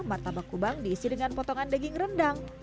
martabak kubang diisi dengan potongan daging rendang